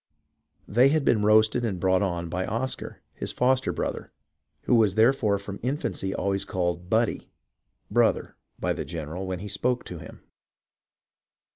They had been roasted and brought on by Oscar, his foster brother, who was therefore from infancy always called ' Budde ' (brother) by the general when he spoke to him.